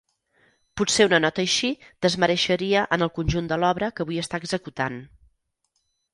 Potser una nota així desmereixeria en el conjunt de l'obra que avui està executant.